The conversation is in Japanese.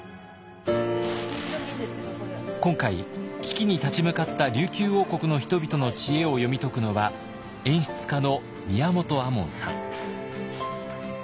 今回危機に立ち向かった琉球王国の人々の知恵を読み解くのは演出家の宮本亞門さん。